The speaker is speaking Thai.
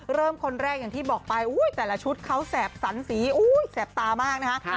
เริ่มคนแรกอย่างที่บอกไปอุ๊ยแต่ละชุดเขาแสบสันสีอุ๊ยแสบตามากนะคะ